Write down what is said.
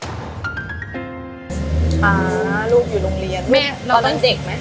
อ่าลูกอยู่โรงเรียน